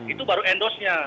itu baru endosnya